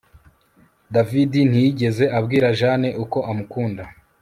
David ntiyigeze abwira Jane uko amukunda